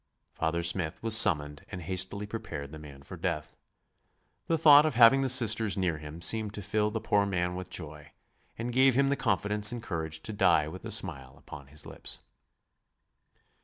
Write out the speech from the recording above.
Father Smith was summoned and hastily prepared the man for death. The thought of having the Sisters near him seemed to fill the poor man with joy and gave him the confidence and courage to die with a smile upon his lips.